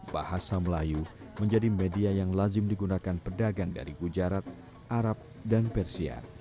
bahasa melayu menjadi media yang lazim digunakan pedagang dari gujarat arab dan persia